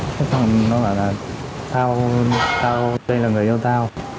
thế xong nó gọi là tao tao đây là người yêu tao